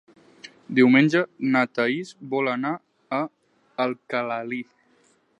Diumenge na Thaís vol anar a Alcalalí.